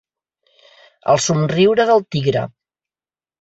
El somriure del tigre.